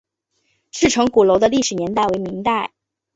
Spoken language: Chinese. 赤城鼓楼的历史年代为明代。